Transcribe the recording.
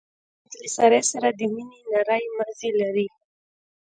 احمد له سارې سره د مینې نری مزی لري.